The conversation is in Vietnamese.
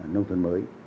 nông thôn mới